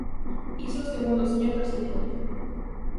Iso segundo o señor presidente.